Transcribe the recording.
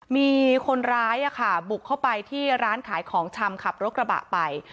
มีคนร้ายบุกเข้าไปที่ร้านขายของชำขับรถกระบะไป